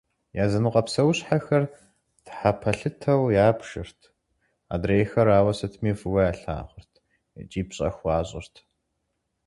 Языныкъуэ псэущхьэхэр тхьэпэлъытэу ябжырт, адрейхэр ауэ сытми фӏыуэ ялъагъурт икӏи пщӏэ хуащӏырт.